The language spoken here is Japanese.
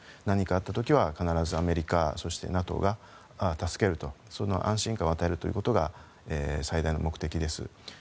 何かあった時は必ずアメリカ、そしてＮＡＴＯが助けるという安心感を与えることが最大の目的です。